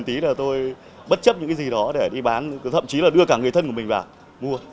tí là tôi bất chấp những cái gì đó để đi bán thậm chí là đưa cả người thân của mình vào mua